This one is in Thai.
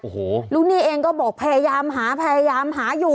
โอ้โหลูกหนี้เองก็บอกพยายามหาพยายามหาอยู่